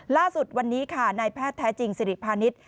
ระดับสุดวันนี้ในแพทย์แท้จริงสิริพานิก